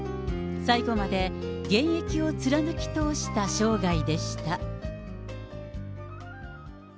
最後まで現役を貫き通した生涯でした。